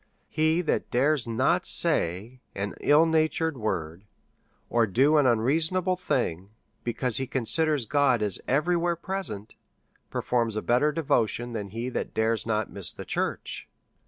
He that dares not say an ill natured word, or do an unreasonable thing, because he considers God as 106 A SERIOUS CALL TO A every where present^ performs a better devotion than he that dares not miss the church.